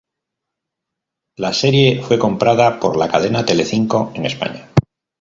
La serie fue comprada por la cadena Telecinco en España.